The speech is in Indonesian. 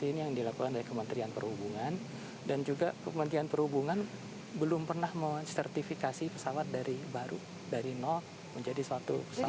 jadi ini yang dilakukan dari kementerian perhubungan dan juga kementerian perhubungan belum pernah mau sertifikasi pesawat dari baru dari nol menjadi suatu pesawat